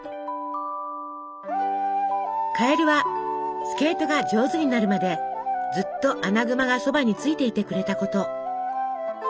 カエルはスケートが上手になるまでずっとアナグマがそばについていてくれたこと。